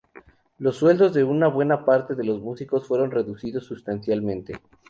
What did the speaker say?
Los sueldos de una buena parte de los músicos fueron reducidos sustancialmente.